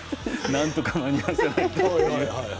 なんとか間に合わせようと。